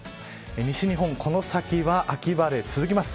西日本この先は秋晴れ続きます。